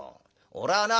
俺はな